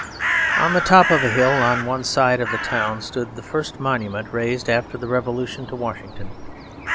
On the top of a hill on one side of the town stood the first monument raised after the Revolution to Washington.